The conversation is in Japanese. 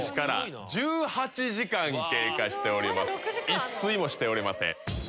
一睡もしておりません。